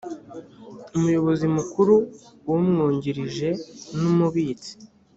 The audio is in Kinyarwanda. umuyobozi mukuru umwungirije n umubitsi